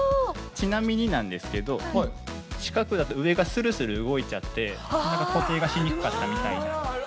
ちなみになんですけど四角だと上がスルスル動いちゃって固定がしにくかったみたい。